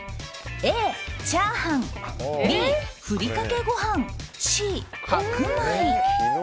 Ａ、チャーハンＢ、ふりかけご飯Ｃ、白米。